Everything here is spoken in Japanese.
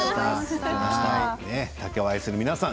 竹を愛する皆さん